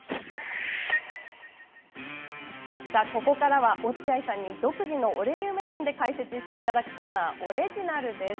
さあ、ここからは落合さんに独自のオレ流目線で解説していただくコーナー「オレジナル」です。